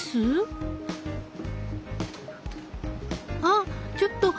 あっちょっと！